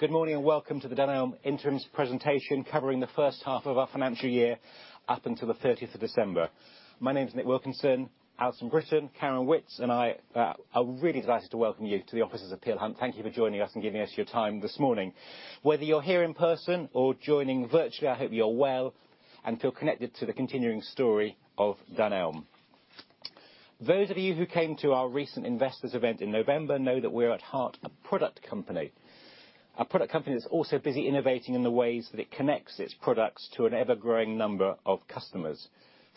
Good morning, and welcome to the Dunelm Interim Presentation, covering the first half of our financial year up until the thirtieth of December. My name is Nick Wilkinson. Alison Brittain, Karen Witts, and I are really delighted to welcome you to the offices of Peel Hunt. Thank you for joining us and giving us your time this morning. Whether you're here in person or joining virtually, I hope you're well and feel connected to the continuing story of Dunelm. Those of you who came to our recent investors event in November know that we're at heart, a product company. Our product company is also busy innovating in the ways that it connects its products to an ever-growing number of customers.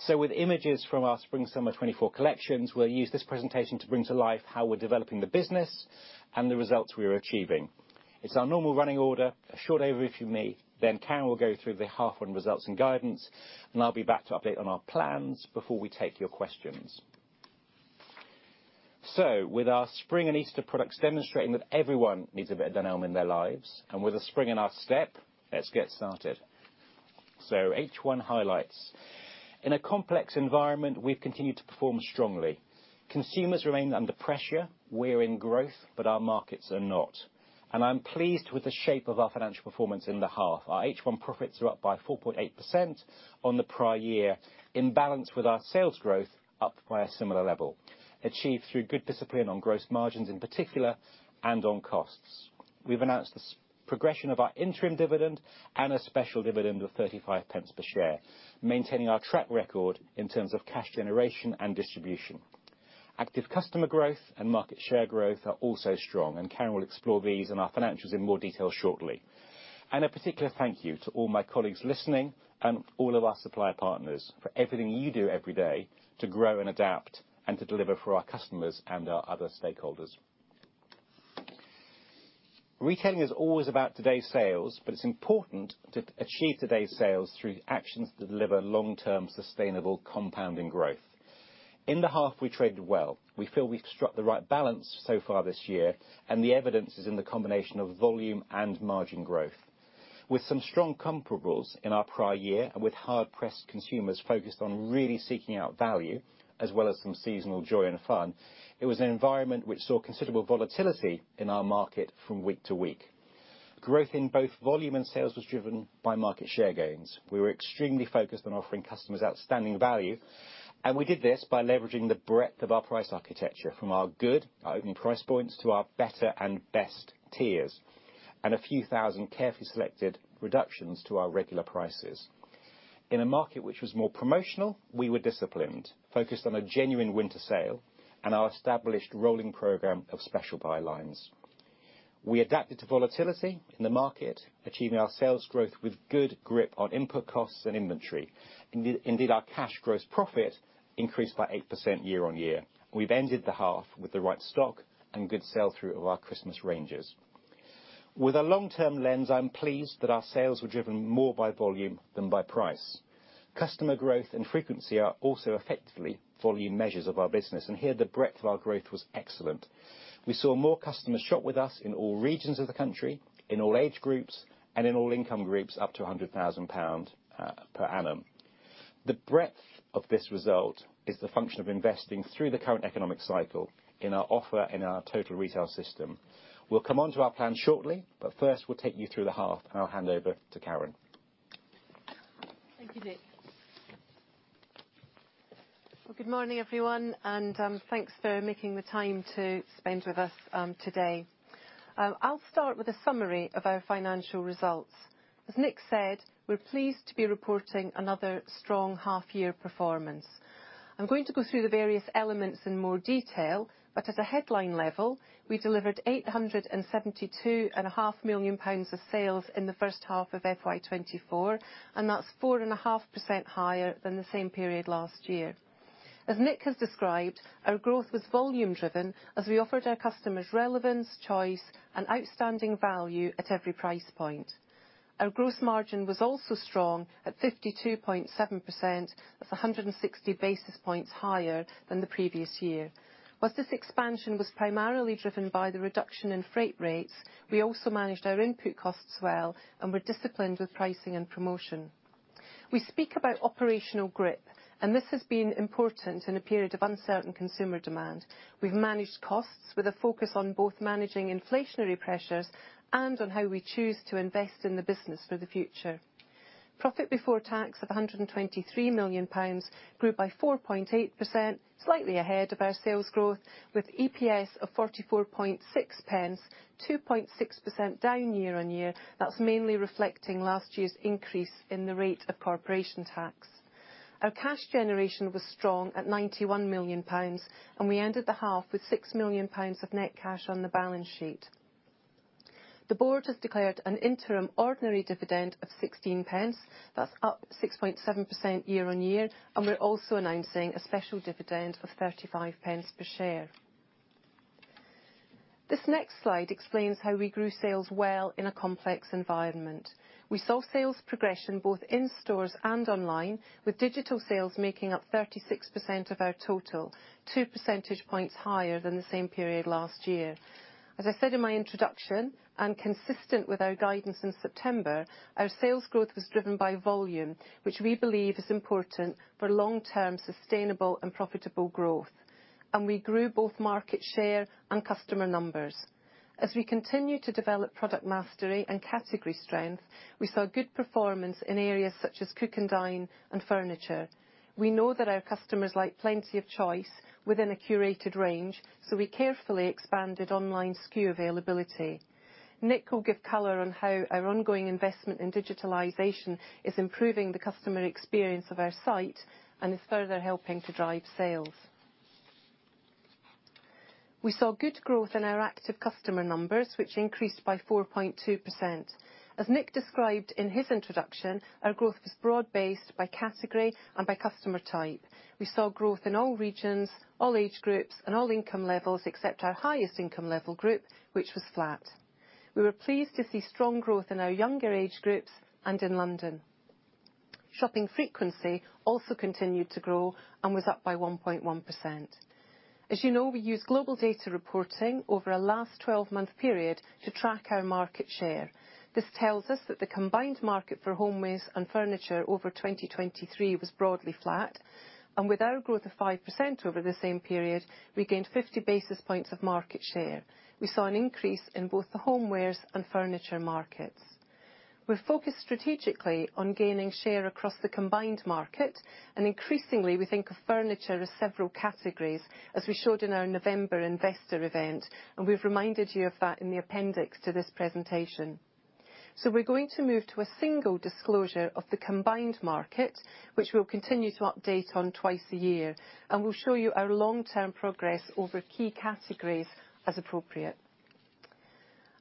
So with images from our spring, summer 2024 collections, we'll use this presentation to bring to life how we're developing the business and the results we are achieving. It's our normal running order, a short overview me. Then Karen will go through the half one results and guidance, and I'll be back to update on our plans before we take your questions. So with our spring and Easter products demonstrating that everyone needs a bit of Dunelm in their lives, and with a spring in our step, let's get started. So H1 highlights. In a complex environment, we've continued to perform strongly. Consumers remain under pressure. We're in growth, but our markets are not. And I'm pleased with the shape of our financial performance in the half. Our H1 profits are up by 4.8% on the prior year, in balance with our sales growth up by a similar level, achieved through good discipline on gross margins in particular, and on costs. We've announced this progression of our interim dividend and a special dividend of 0.35 per share, maintaining our track record in terms of cash generation and distribution. Active customer growth and market share growth are also strong, and Karen will explore these and our financials in more detail shortly. A particular thank you to all my colleagues listening, and all of our supplier partners for everything you do every day to grow and adapt, and to deliver for our customers and our other stakeholders. Retailing is always about today's sales, but it's important to achieve today's sales through actions to deliver long-term, sustainable, compounding growth. In the half, we traded well. We feel we've struck the right balance so far this year, and the evidence is in the combination of volume and margin growth. With some strong comparables in our prior year, and with hard-pressed consumers focused on really seeking out value, as well as some seasonal joy and fun, it was an environment which saw considerable volatility in our market from week to week. Growth in both volume and sales was driven by market share gains. We were extremely focused on offering customers outstanding value, and we did this by leveraging the breadth of our price architecture from our good, our opening price points to our better and best tiers, and a few thousand carefully selected reductions to our regular prices. In a market which was more promotional, we were disciplined, focused on a genuine winter sale and our established rolling program of special buy lines. We adapted to volatility in the market, achieving our sales growth with good grip on input costs and inventory. Indeed, our cash gross profit increased by 8% year-on-year. We've ended the half with the right stock and good sell-through of our Christmas ranges. With a long-term lens, I'm pleased that our sales were driven more by volume than by price. Customer growth and frequency are also effectively volume measures of our business, and here, the breadth of our growth was excellent. We saw more customers shop with us in all regions of the country, in all age groups, and in all income groups, up to 100,000 pounds per annum. The breadth of this result is the function of investing through the current economic cycle in our offer in our total retail system. We'll come onto our plan shortly, but first, we'll take you through the half, and I'll hand over to Karen. Thank you, Nick. Well, good morning, everyone, and, thanks for making the time to spend with us, today. I'll start with a summary of our financial results. As Nick said, we're pleased to be reporting another strong half-year performance. I'm going to go through the various elements in more detail, but as a headline level, we delivered 872.5 million pounds of sales in the first half of FY 2024, and that's 4.5% higher than the same period last year. As Nick has described, our growth was volume driven as we offered our customers relevance, choice, and outstanding value at every price point. Our gross margin was also strong at 52.7%, that's 160 basis points higher than the previous year. While this expansion was primarily driven by the reduction in freight rates, we also managed our input costs well and were disciplined with pricing and promotion. We speak about operational grip, and this has been important in a period of uncertain consumer demand. We've managed costs with a focus on both managing inflationary pressures and on how we choose to invest in the business for the future. Profit before tax of 123 million pounds grew by 4.8%, slightly ahead of our sales growth, with EPS of 0.446, 2.6% down year-over-year. That's mainly reflecting last year's increase in the rate of corporation tax. Our cash generation was strong at 91 million pounds, and we ended the half with 6 million pounds of net cash on the balance sheet. The board has declared an interim ordinary dividend of 0.16. That's up 6.7% year-on-year, and we're also announcing a special dividend of 0.35 per share. This next slide explains how we grew sales well in a complex environment. We saw sales progression both in stores and online, with digital sales making up 36% of our total, 2 percentage points higher than the same period last year. As I said in my introduction, and consistent with our guidance in September, our sales growth was driven by volume, which we believe is important for long-term, sustainable, and profitable growth. And we grew both market share and customer numbers. As we continue to develop product mastery and category strength, we saw good performance in areas such as cook and dine and furniture. We know that our customers like plenty of choice within a curated range, so we carefully expanded online SKU availability. Nick will give color on how our ongoing investment in digitalization is improving the customer experience of our site and is further helping to drive sales. We saw good growth in our active customer numbers, which increased by 4.2%. As Nick described in his introduction, our growth was broad-based by category and by customer type. We saw growth in all regions, all age groups, and all income levels, except our highest income level group, which was flat. We were pleased to see strong growth in our younger age groups and in London. Shopping frequency also continued to grow and was up by 1.1%. As you know, we use global data reporting over a last 12-month period to track our market share. This tells us that the combined market for homewares and furniture over 2023 was broadly flat, and with our growth of 5% over the same period, we gained 50 basis points of market share. We saw an increase in both the homewares and furniture markets. We're focused strategically on gaining share across the combined market, and increasingly, we think of furniture as several categories, as we showed in our November investor event, and we've reminded you of that in the appendix to this presentation. So we're going to move to a single disclosure of the combined market, which we'll continue to update on twice a year, and we'll show you our long-term progress over key categories as appropriate.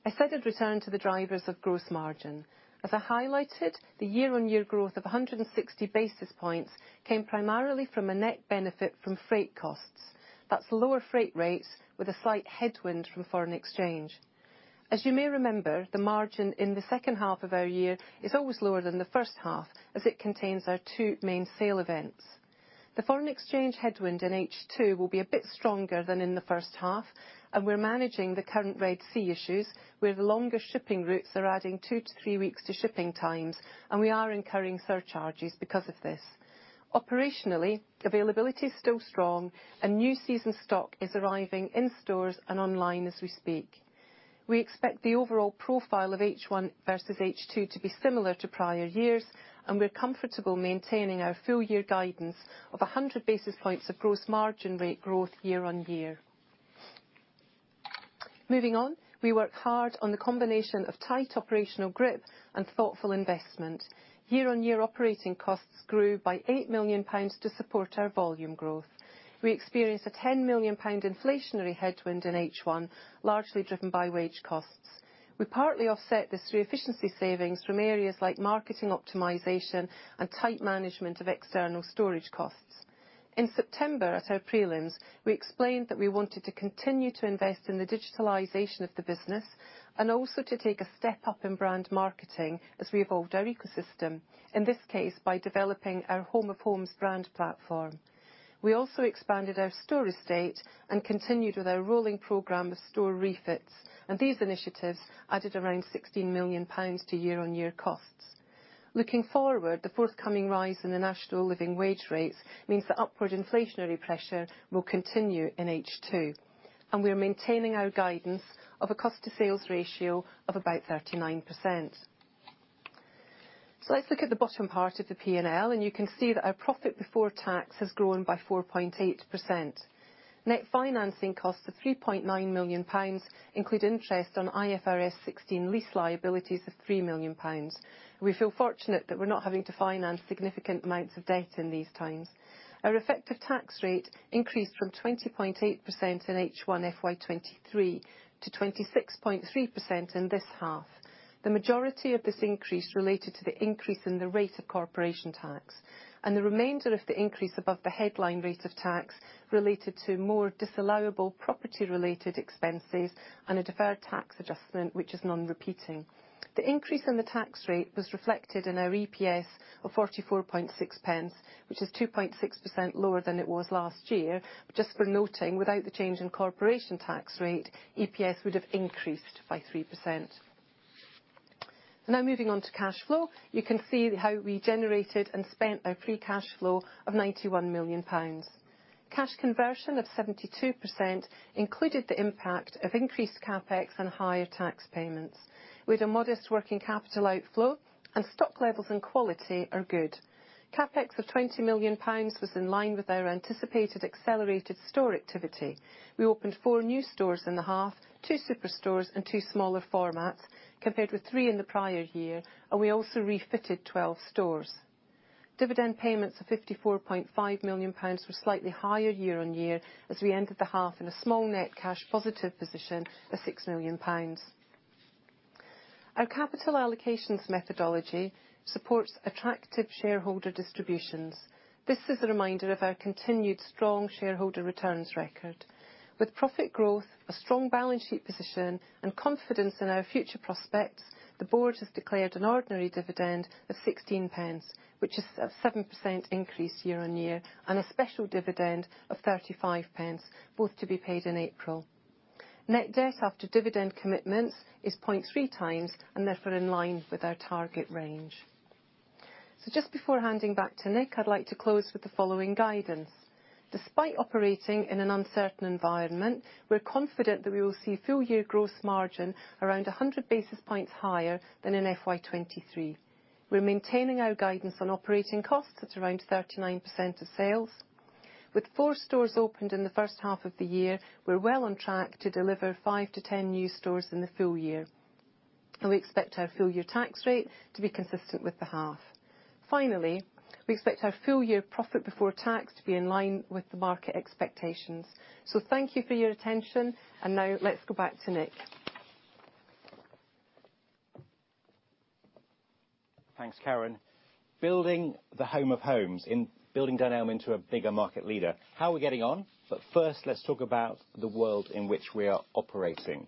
I said I'd return to the drivers of gross margin. As I highlighted, the year-on-year growth of 160 basis points came primarily from a net benefit from freight costs. That's lower freight rates with a slight headwind from foreign exchange. As you may remember, the margin in the second half of our year is always lower than the first half, as it contains our two main sale events. The foreign exchange headwind in H2 will be a bit stronger than in the first half, and we're managing the current Red Sea issues, where the longer shipping routes are adding 2-3 weeks to shipping times, and we are incurring surcharges because of this. Operationally, availability is still strong, and new season stock is arriving in stores and online as we speak. We expect the overall profile of H1 versus H2 to be similar to prior years, and we're comfortable maintaining our full year guidance of 100 basis points of gross margin rate growth year-on-year. Moving on, we worked hard on the combination of tight operational grip and thoughtful investment. Year-on-year operating costs grew by 8 million pounds to support our volume growth. We experienced a 10 million pound inflationary headwind in H1, largely driven by wage costs. We partly offset this through efficiency savings from areas like marketing optimization and tight management of external storage costs. In September, at our prelims, we explained that we wanted to continue to invest in the digitalization of the business and also to take a step up in brand marketing as we evolved our ecosystem, in this case, by developing our Home of Homes brand platform. We also expanded our store estate and continued with our rolling program of store refits, and these initiatives added around 16 million pounds to year-on-year costs. Looking forward, the forthcoming rise in the National Living Wage rates means that upward inflationary pressure will continue in H2, and we are maintaining our guidance of a cost-to-sales ratio of about 39%. So let's look at the bottom part of the P&L, and you can see that our profit before tax has grown by 4.8%. Net financing costs of 3.9 million pounds include interest on IFRS 16 lease liabilities of 3 million pounds. We feel fortunate that we're not having to finance significant amounts of debt in these times. Our effective tax rate increased from 20.8% in H1 FY 2023 to 26.3% in this half. The majority of this increase related to the increase in the rate of corporation tax, and the remainder of the increase above the headline rate of tax related to more disallowable property-related expenses and a deferred tax adjustment, which is non-repeating. The increase in the tax rate was reflected in our EPS of 0.446, which is 2.6% lower than it was last year. Just for noting, without the change in corporation tax rate, EPS would have increased by 3%. Now, moving on to cash flow. You can see how we generated and spent our free cash flow of 91 million pounds. Cash conversion of 72% included the impact of increased CapEx and higher tax payments, with a modest working capital outflow and stock levels and quality are good. CapEx of 20 million pounds was in line with our anticipated accelerated store activity. We opened four new stores in the half, two superstores and two smaller formats, compared with three in the prior year, and we also refitted 12 stores. Dividend payments of 54.5 million pounds were slightly higher year-on-year, as we ended the half in a small net cash positive position of 6 million pounds. Our capital allocations methodology supports attractive shareholder distributions. This is a reminder of our continued strong shareholder returns record. With profit growth, a strong balance sheet position, and confidence in our future prospects, the board has declared an ordinary dividend of 0.16, which is a 7% increase year-on-year, and a special dividend of 0.35, both to be paid in April. Net debt after dividend commitments is 0.3x and therefore in line with our target range So just before handing back to Nick, I'd like to close with the following guidance. Despite operating in an uncertain environment, we're confident that we will see full year growth margin around 100 basis points higher than in FY 2023. We're maintaining our guidance on operating costs at around 39% of sales. With four stores opened in the first half of the year, we're well on track to deliver 5-10 new stores in the full year, and we expect our full year tax rate to be consistent with the half. Finally, we expect our full year profit before tax to be in line with the market expectations. So thank you for your attention, and now let's go back to Nick. Thanks, Karen. Building the Home of Homes and building Dunelm into a bigger market leader. How are we getting on? But first, let's talk about the world in which we are operating.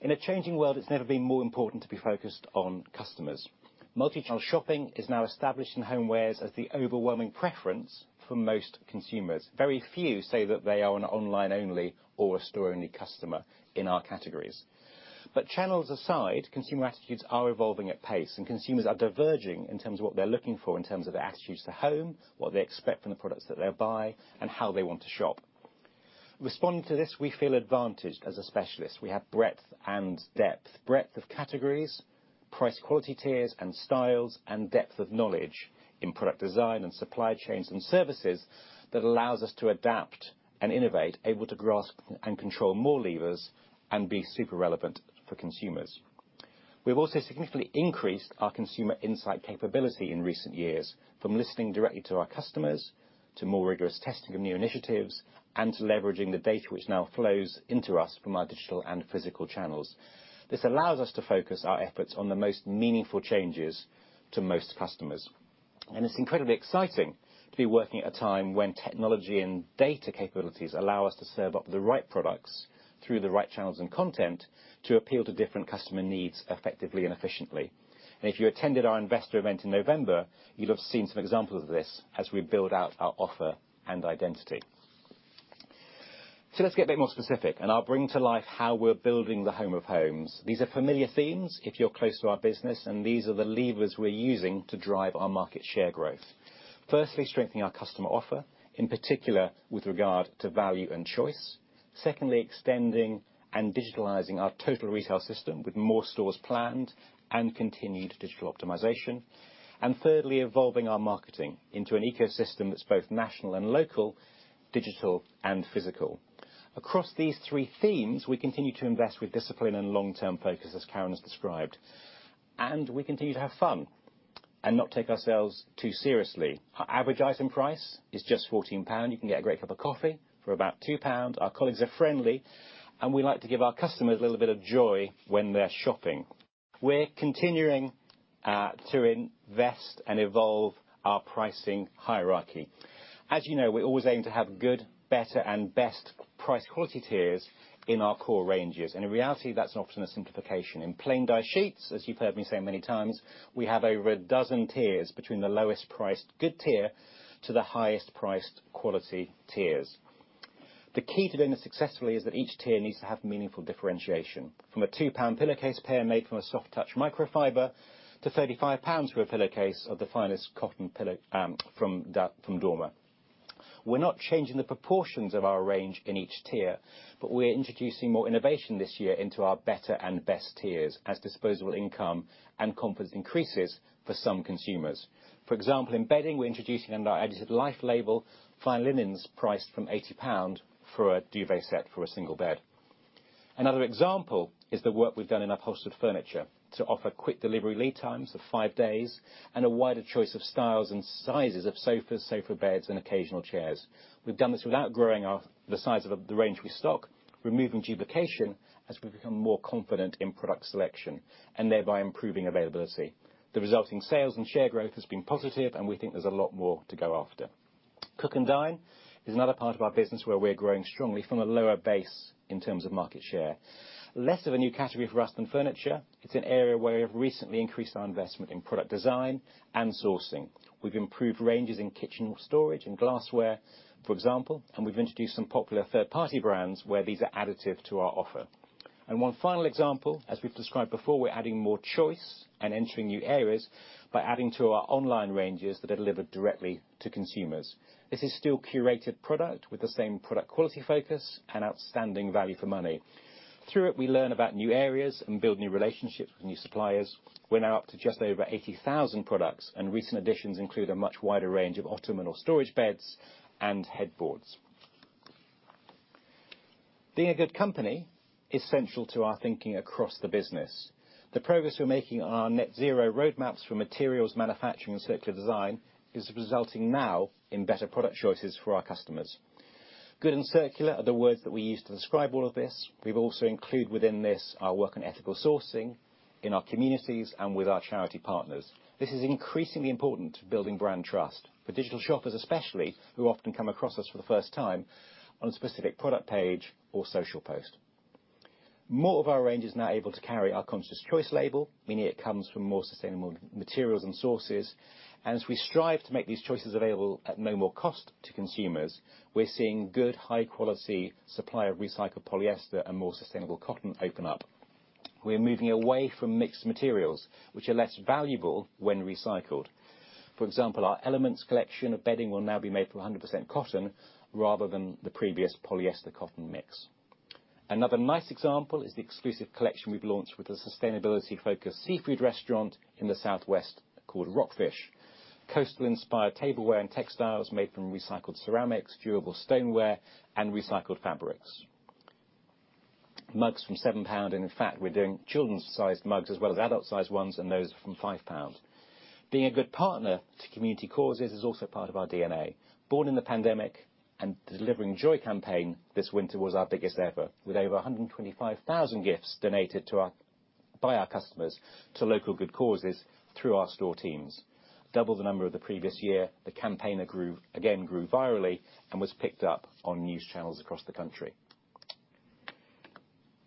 In a changing world, it's never been more important to be focused on customers. Multichannel shopping is now established in homewares as the overwhelming preference for most consumers. Very few say that they are an online-only or a store-only customer in our categories. But channels aside, consumer attitudes are evolving at pace, and consumers are diverging in terms of what they're looking for, in terms of their attitudes to home, what they expect from the products that they buy, and how they want to shop. Responding to this, we feel advantaged as a specialist. We have breadth and depth. Breadth of categories, price, quality tiers, and styles, and depth of knowledge in product design and supply chains and services that allows us to adapt and innovate, able to grasp and control more levers and be super relevant for consumers. We've also significantly increased our consumer insight capability in recent years, from listening directly to our customers, to more rigorous testing of new initiatives, and to leveraging the data which now flows into us from our digital and physical channels. This allows us to focus our efforts on the most meaningful changes to most customers. It's incredibly exciting to be working at a time when technology and data capabilities allow us to serve up the right products through the right channels and content to appeal to different customer needs effectively and efficiently. If you attended our investor event in November, you'd have seen some examples of this as we build out our offer and identity. Let's get a bit more specific, and I'll bring to life how we're building the Home of Homes. These are familiar themes if you're close to our business, and these are the levers we're using to drive our market share growth. Firstly, strengthening our customer offer, in particular with regard to value and choice. Secondly, extending and digitalizing our total retail system, with more stores planned and continued digital optimization. And thirdly, evolving our marketing into an ecosystem that's both national and local, digital and physical. Across these three themes, we continue to invest with discipline and long-term focus, as Karen has described, and we continue to have fun and not take ourselves too seriously. Our average item price is just 14 pound. You can get a great cup of coffee for about 2 pounds. Our colleagues are friendly, and we like to give our customers a little bit of joy when they're shopping. We're continuing to invest and evolve our pricing hierarchy. As you know, we're always aiming to have good, better, and best price quality tiers in our core ranges, and in reality, that's often a simplification. In plain dye sheets, as you've heard me say many times, we have over a dozen tiers between the lowest priced good tier to the highest priced quality tiers. The key to doing this successfully is that each tier needs to have meaningful differentiation, from a 2 pound pillowcase pair made from a soft touch microfiber to 35 pounds for a pillowcase of the finest cotton pillow, from Dorma. We're not changing the proportions of our range in each tier, but we're introducing more innovation this year into our better and best tiers as disposable income and confidence increases for some consumers. For example, in bedding, we're introducing under our Edited Life label, fine linens priced from 80 pound for a duvet set for a single bed. Another example is the work we've done in our upholstered furniture to offer quick delivery lead times of five days and a wider choice of styles and sizes of sofas, sofa beds, and occasional chairs. We've done this without growing the size of the range we stock, removing duplication as we become more confident in product selection and thereby improving availability. The resulting sales and share growth has been positive, and we think there's a lot more to go after. Cook and dine is another part of our business where we're growing strongly from a lower base in terms of market share. Less of a new category for us than furniture, it's an area where we've recently increased our investment in product design and sourcing. We've improved ranges in kitchen storage and glassware, for example, and we've introduced some popular third-party brands where these are additive to our offer. One final example, as we've described before, we're adding more choice and entering new areas by adding to our online ranges that are delivered directly to consumers. This is still curated product with the same product quality, focus, and outstanding value for money. Through it, we learn about new areas and build new relationships with new suppliers. We're now up to just over 80,000 products, and recent additions include a much wider range of ottoman or storage beds and headboards. Being a good company is central to our thinking across the business. The progress we're making on our net zero roadmaps for materials, manufacturing, and circular design is resulting now in better product choices for our customers. Good and Circular are the words that we use to describe all of this. We've also included within this our work on ethical sourcing in our communities and with our charity partners. This is increasingly important to building brand trust for digital shoppers, especially, who often come across us for the first time on a specific product page or social post. More of our range is now able to carry our Conscious Choice label, meaning it comes from more sustainable materials and sources. As we strive to make these choices available at no more cost to consumers, we're seeing good, high-quality supply of recycled polyester and more sustainable cotton open up. We're moving away from mixed materials, which are less valuable when recycled. For example, our Elements collection of bedding will now be made from 100% cotton rather than the previous polyester cotton mix. Another nice example is the exclusive collection we've launched with a sustainability-focused seafood restaurant in the southwest called Rockfish. Coastal-inspired tableware and textiles made from recycled ceramics, durable stoneware, and recycled fabrics. Mugs from 7 pound, and in fact, we're doing children's sized mugs as well as adult-sized ones, and those are from 5 pounds. Being a good partner to community causes is also part of our DNA. Born in the pandemic and Delivering Joy campaign this winter was our biggest ever, with over 125,000 gifts donated by our customers to local good causes through our store teams. Double the number of the previous year, the campaign grew again, grew virally and was picked up on news channels across the country.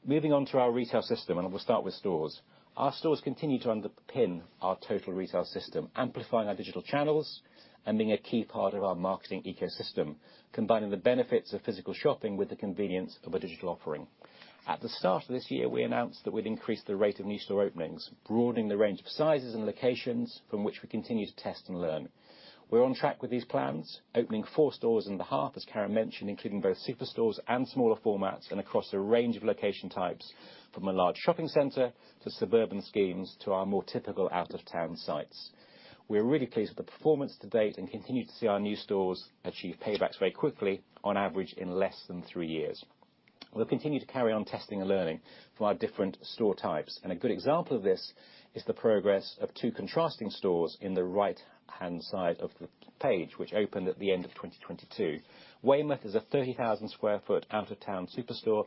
Moving on to our retail system, and we'll start with stores. Our stores continue to underpin our total retail system, amplifying our digital channels and being a key part of our marketing ecosystem, combining the benefits of physical shopping with the convenience of a digital offering. At the start of this year, we announced that we'd increase the rate of new store openings, broadening the range of sizes and locations from which we continue to test and learn. We're on track with these plans, opening four stores in the half, as Karen mentioned, including both super stores and smaller formats, and across a range of location types, from a large shopping center to suburban schemes, to our more typical out-of-town sites. We're really pleased with the performance to date and continue to see our new stores achieve paybacks very quickly, on average, in less than three years. We'll continue to carry on testing and learning from our different store types, and a good example of this is the progress of two contrasting stores in the right-hand side of the page, which opened at the end of 2022. Weymouth is a 30,000 sq ft out-of-town superstore,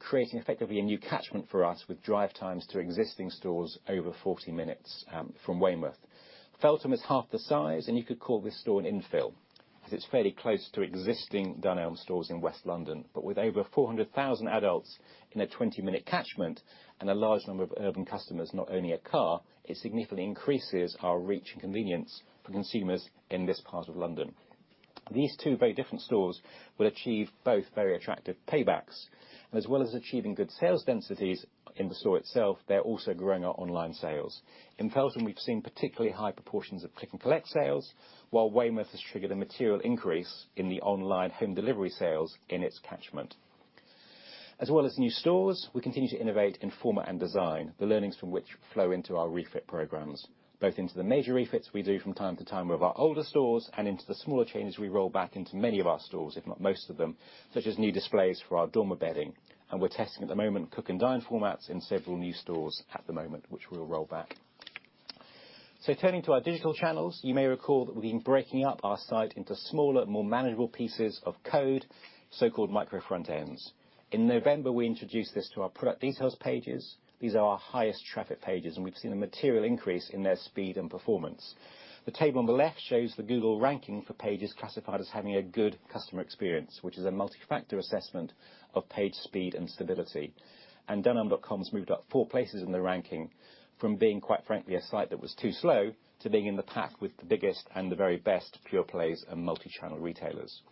creating effectively a new catchment for us, with drive times to existing stores over 40 minutes from Weymouth. Feltham is half the size, and you could call this store an infill, as it's fairly close to existing Dunelm stores in West London. But with over 400,000 adults in a 20 minute catchment and a large number of urban customers not owning a car, it significantly increases our reach and convenience for consumers in this part of London. These two very different stores will achieve both very attractive paybacks, and as well as achieving good sales densities in the store itself, they're also growing our online sales. In Feltham, we've seen particularly high proportions of click and collect sales, while Weymouth has triggered a material increase in the online home delivery sales in its catchment. As well as new stores, we continue to innovate in format and design, the learnings from which flow into our refit programs, both into the major refits we do from time to time with our older stores and into the smaller changes we roll back into many of our stores, if not most of them, such as new displays for our Dorma bedding, and we're testing at the moment, cook and dine formats in several new stores at the moment, which we'll roll back. So turning to our digital channels, you may recall that we've been breaking up our site into smaller, more manageable pieces of code, so-called micro front-ends. In November, we introduced this to our product details pages. These are our highest traffic pages, and we've seen a material increase in their speed and performance. The table on the left shows the Google ranking for pages classified as having a good customer experience, which is a multifactor assessment of page speed and stability. Dunelm.com's moved up four places in the ranking from being, quite frankly, a site that was too slow to being in the pack with the biggest and the very best pure plays and multi-channel retailers.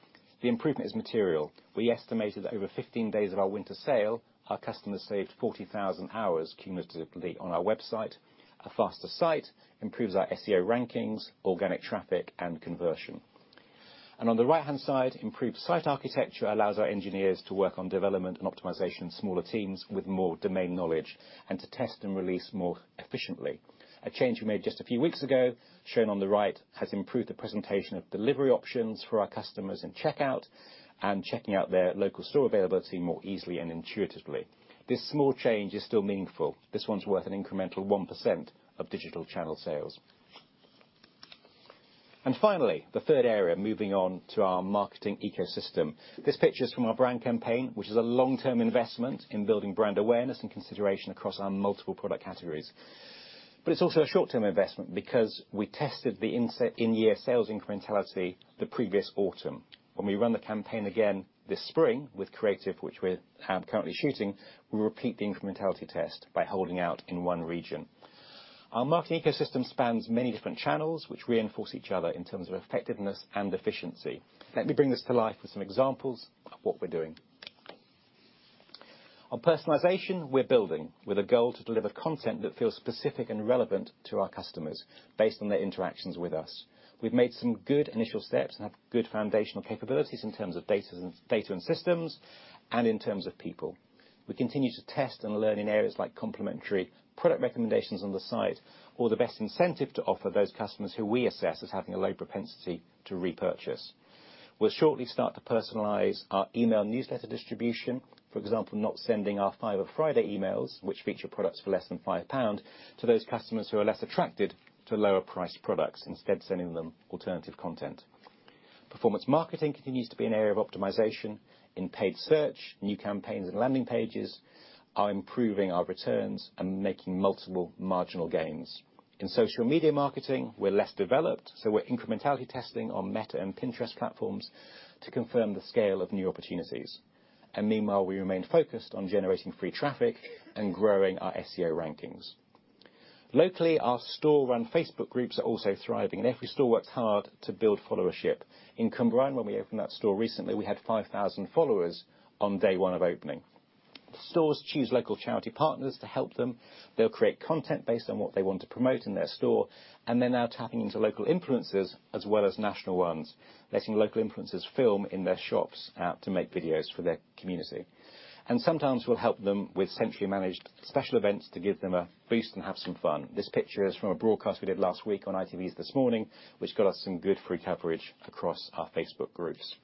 The improvement is material. We estimated that over 15 days of our winter sale, our customers saved 40,000 hours cumulatively on our website. A faster site improves our SEO rankings, organic traffic, and conversion. On the right-hand side, improved site architecture allows our engineers to work on development and optimization in smaller teams with more domain knowledge, and to test and release more efficiently. A change we made just a few weeks ago, shown on the right, has improved the presentation of delivery options for our customers in checkout and checking out their local store availability more easily and intuitively. This small change is still meaningful. This one's worth an incremental 1% of digital channel sales. And finally, the third area, moving on to our marketing ecosystem. This picture is from our brand campaign, which is a long-term investment in building brand awareness and consideration across our multiple product categories. But it's also a short-term investment because we tested the in-year sales incrementality the previous autumn. When we run the campaign again this spring with Creative, which we're currently shooting, we'll repeat the incrementality test by holding out in one region. Our marketing ecosystem spans many different channels, which reinforce each other in terms of effectiveness and efficiency. Let me bring this to life with some examples of what we're doing. On personalization, we're building with a goal to deliver content that feels specific and relevant to our customers based on their interactions with us. We've made some good initial steps and have good foundational capabilities in terms of data and systems, and in terms of people. We continue to test and learn in areas like complimentary product recommendations on the site or the best incentive to offer those customers who we assess as having a low propensity to repurchase. We'll shortly start to personalize our email newsletter distribution, for example, not sending our Fiver Friday emails, which feature products for less than 5 pounds, to those customers who are less attracted to lower priced products, instead sending them alternative content. Performance marketing continues to be an area of optimization in paid search. New campaigns and landing pages are improving our returns and making multiple marginal gains. In social media marketing, we're less developed, so we're incrementality testing on Meta and Pinterest platforms to confirm the scale of new opportunities. And meanwhile, we remain focused on generating free traffic and growing our SEO rankings. Locally, our store-run Facebook groups are also thriving, and every store works hard to build followership. In Cwmbran, when we opened that store recently, we had 5,000 followers on day one of opening. The stores choose local charity partners to help them. They'll create content based on what they want to promote in their store, and they're now tapping into local influencers as well as national ones, letting local influencers film in their shops, to make videos for their community. And sometimes we'll help them with centrally managed special events to give them a boost and have some fun. This picture is from a broadcast we did last week on ITV's This Morning, which got us some good free coverage across our Facebook groups.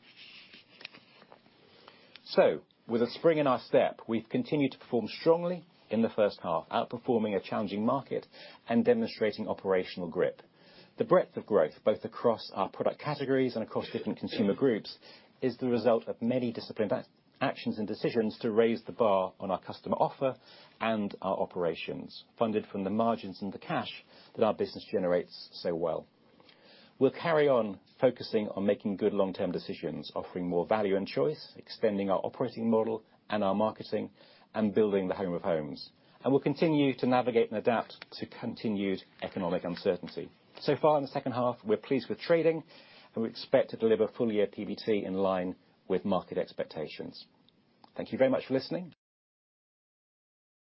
So with a spring in our step, we've continued to perform strongly in the first half, outperforming a challenging market and demonstrating operational grip. The breadth of growth, both across our product categories and across different consumer groups, is the result of many disciplined actions and decisions to raise the bar on our customer offer and our operations, funded from the margins and the cash that our business generates so well. We'll carry on focusing on making good long-term decisions, offering more value and choice, extending our operating model and our marketing, and building the Home of Homes. We'll continue to navigate and adapt to continued economic uncertainty. So far in the second half, we're pleased with trading, and we expect to deliver full-year PBT in line with market expectations. Thank you very much for listening.